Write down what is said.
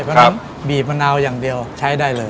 เพราะฉะนั้นบีบมะนาวอย่างเดียวใช้ได้เลย